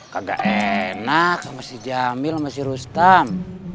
kagak enak sama si jamil sama si rustam